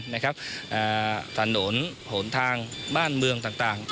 ถนนถนนทางบ้านเมืองจัดสรรไหม